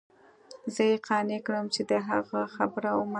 زه يې قانع كړم چې د هغه خبره ومنم.